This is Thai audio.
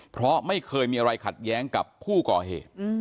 เพราะไม่เคยมีอะไรขัดแย้งกับผู้ก่อเหตุ